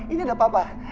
ini ada papa